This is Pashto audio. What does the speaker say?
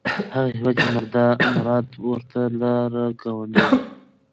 هغه هیواد چې مراد ورته لاړ، ګاونډی و.